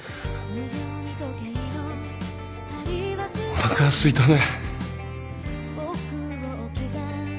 おなかすいたね。